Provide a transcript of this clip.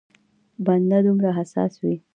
بنده دومره حساس وي.